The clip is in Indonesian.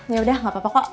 yaudah nggak apa apa kok